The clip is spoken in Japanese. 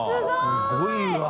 すごいわ。